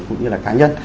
cũng như là cá nhân